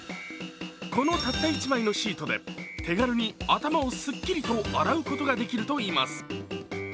この、たった１枚のシートで手軽に頭をすっきりと洗うことができるといいます。